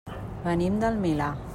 Venim del Milà.